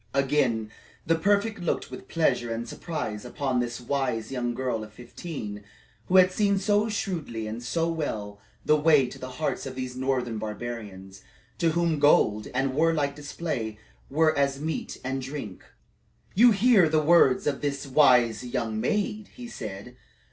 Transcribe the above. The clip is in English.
Again the prefect looked with pleasure and surprise upon this wise young girl of fifteen, who had seen so shrewdly and so well the way to the hearts of these northern barbarians, to whom gold and warlike display were as meat and drink. "You hear the words of this wise young maid," he said.